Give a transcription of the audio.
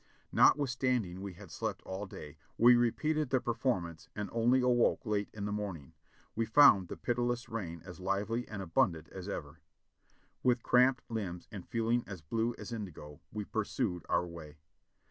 Notwithstanding we had slept all day, we repeated the perform ance and only awoke late in the morning; we found the pitiless rain as lively and abundant as ever. With cramped limbs and feel ing as blue as indigo, we pursued our way.